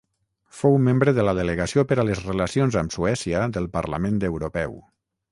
Fou membre de la Delegació per a les relacions amb Suècia del Parlament Europeu.